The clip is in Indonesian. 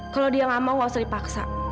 kalau dia ngamau wawas dipaksa